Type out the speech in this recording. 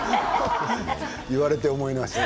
言われて思いました。